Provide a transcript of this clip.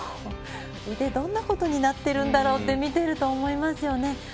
腕、どんなことになっているんだろうと見てると思いますよね。